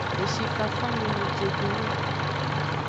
Eshi fafa nunu jedo nung.